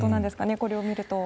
これを見ると。